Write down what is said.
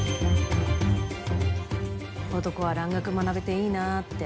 男は蘭学学べていいなぁって。